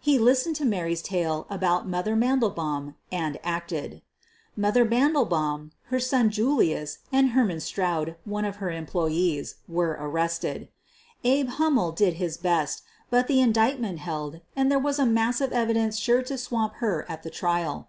He listened to Mary's tale about "Mother" Mandelbaum, and acted. "Mother" Mandelbaum, her son Julius, and Her* man Stoude, one of her employees, were arrested, "Abe" Hummel did his best, but the indictment held, and there was a mass of evidence sure to swamp her at the trial.